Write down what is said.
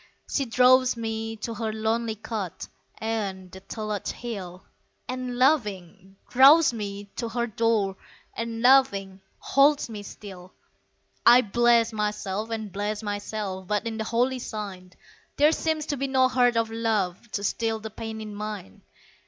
She draws me to her lonely cot Ayont the Tulloch Hill; And, laughing, draws me to her door And, laughing, holds me still. I bless myself and bless myself, But in the holy sign, There seems to be no heart of love, To still the pain in mine.